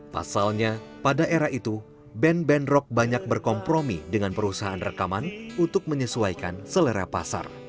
pasalnya pada era itu band band rock banyak berkompromi dengan perusahaan rekaman untuk menyesuaikan selera pasar